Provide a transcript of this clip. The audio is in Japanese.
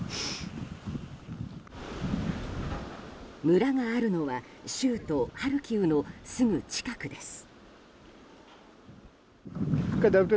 村があるのは州都ハルキウのすぐ近くです。